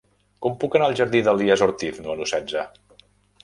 Com puc anar al jardí d'Elies Ortiz número setze?